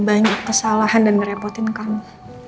banyak kesalahan dan merepotin kamu